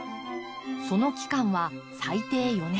その期間は最低４年。